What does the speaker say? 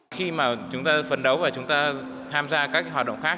khi mà chúng ta phấn đấu và chúng ta tham gia các hoạt động khác